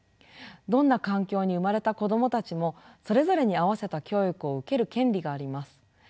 どんな環境に生まれた子どもたちもそれぞれに合わせた教育を受ける権利があります。